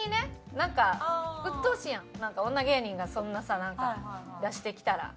なんかうっとうしいやん女芸人がそんなさなんか出してきたら。